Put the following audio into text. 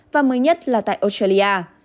và mới nhất là tại australia